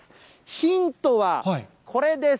ヒントはこれです。